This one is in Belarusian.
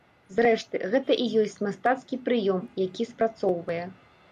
Зрэшты, гэта і ёсць мастацкі прыём, які спрацоўвае.